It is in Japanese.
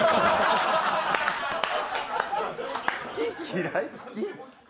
好き嫌い好き？